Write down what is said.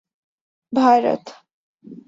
Bharat